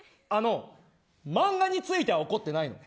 漫画については怒ってない。